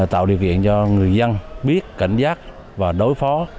tạo điều kiện cho người dân biết cảnh giác và đối phó